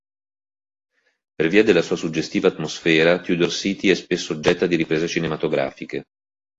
Per via della sua suggestiva atmosfera Tudor City è spesso oggetto di riprese cinematografiche.